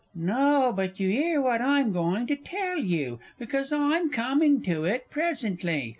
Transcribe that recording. No, but you 'ear what I'm going to tell you, because I'm coming to it presently.